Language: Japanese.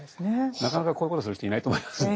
なかなかこういうことをする人いないと思いますんで。